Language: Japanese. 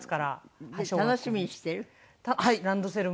楽しみにしてる？